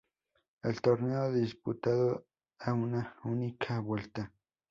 El torneo disputado a una única vuelta.